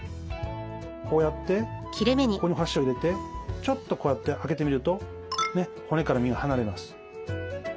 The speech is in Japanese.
こうやってここに箸を入れてちょっとこうやって開けてみると骨から身が離れます。